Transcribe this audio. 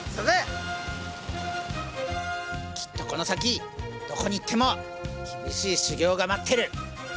きっとこの先どこに行っても厳しい修業が待ってる。